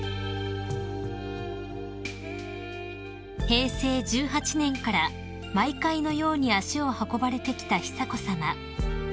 ［平成１８年から毎回のように足を運ばれてきた久子さま］